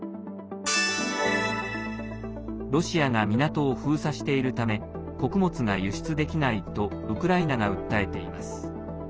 ロシアが港を封鎖しているため穀物が輸出できないとウクライナが訴えています。